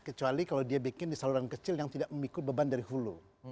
kecuali kalau dia bikin di saluran kecil yang tidak mengikut beban dari hulu